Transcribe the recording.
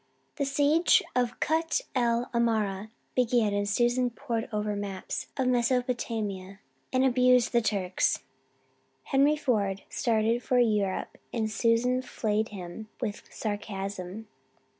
The siege of Kut El Amara began and Susan pored over maps of Mesopotamia and abused the Turks. Henry Ford started for Europe and Susan flayed him with sarcasm.